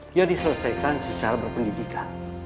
dia diselesaikan secara berpendidikan